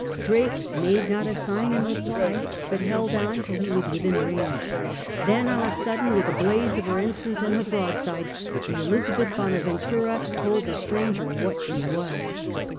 Drake made not a sign in reply, but held on till he was within range. Then on a sudden, with a blaze of her ensigns and her broadside, the Elizabeth Bonaventura told the stranger what she was.